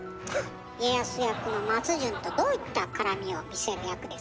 家康役の松潤とどういったカラミを見せる役ですか？